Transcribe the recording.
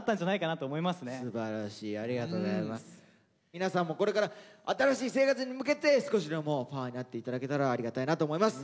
皆さんもこれから新しい生活に向けて少しでもパワーになって頂けたらありがたいなと思います。